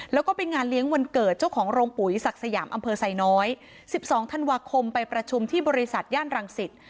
แล้วก็ไปงานเลี้ยงวันเกิดเจ้าของโรงปุ๋ยศักดิ์สยามอำเภอไซน้อย๑๒ธันวาคมไปประชุมที่บริษัทย่านรังสิต